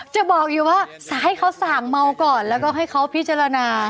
จะบอกอยู่ว่าให้เขาสั่งเมาก่อนแล้วก็ให้เขาพิจารณา